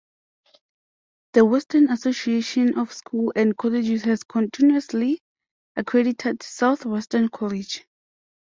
The Western Association of Schools and Colleges has continuously accredited Southwestern College.